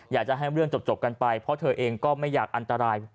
อยากจะให้เรื่องจบกันไปเพราะเธอเองก็ไม่อยากอันตราย